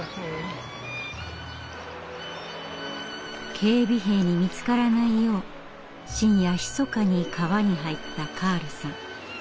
警備兵に見つからないよう深夜ひそかに川に入ったカールさん。